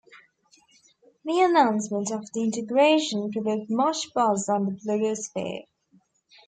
The announcement of the integration provoked much buzz on the blogosphere.